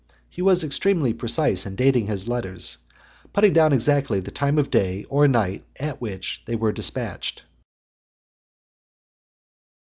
He was extremely precise in dating his letters, putting down exactly the time of the day or night at which they were dispatched.